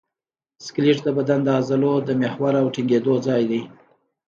سکلیټ د بدن د عضلو د محور او ټینګېدو ځای دی.